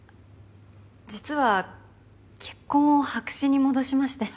実は結婚を白紙に戻しまして。